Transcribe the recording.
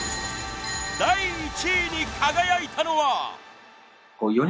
第１位に輝いたのは。